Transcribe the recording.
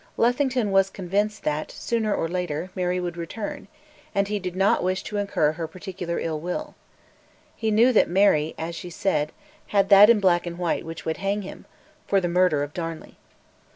Lethington was convinced that, sooner or later, Mary would return; and he did not wish to incur "her particular ill will." He knew that Mary, as she said, "had that in black and white which would hang him" for the murder of Darnley.